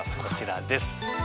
こちらです。